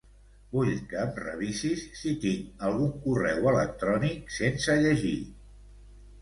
Vull que em revisis si tinc algun correu electrònic sense llegir.